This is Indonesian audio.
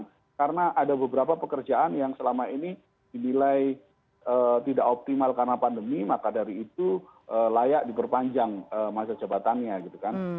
karena ada beberapa pekerjaan yang selama ini dinilai tidak optimal karena pandemi maka dari itu layak diperpanjang masa jabatannya gitu kan